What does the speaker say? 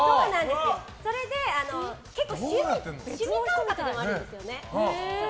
結構、趣味感覚でもあるんですよね。